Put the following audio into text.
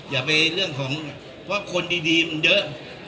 อย่าไปเรื่องของว่าคนดีมันเยอะ